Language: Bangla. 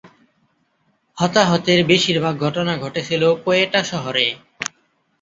হতাহতের বেশিরভাগ ঘটনা ঘটেছিল কোয়েটা শহরে।